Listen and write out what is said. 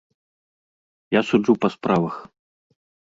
Я суджу па справах.